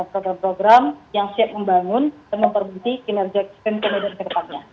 dan memperbuji kinerja ketam medan ke depannya